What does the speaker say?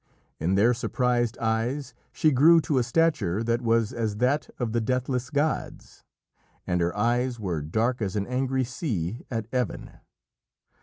In their surprised eyes she grew to a stature that was as that of the deathless gods. And her eyes were dark as an angry sea at even.